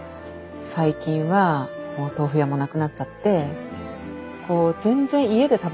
最近はもう豆腐屋もなくなっちゃって全然家で食べれなくなったって。